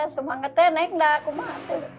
semangatnya naik dah ke mak